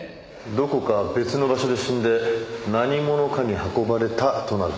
どこか別の場所で死んで何者かに運ばれたとなると。